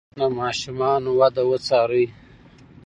د ماشوم وده وڅارئ.